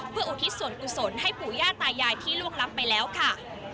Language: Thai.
เพื่ออุทิศส่วนกุศลให้ปู่ย่าตายายที่ล่วงลับไปแล้วค่ะ